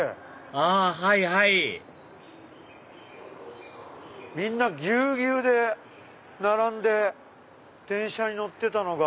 あはいはいみんなぎゅうぎゅうで並んで電車に乗ってたのが。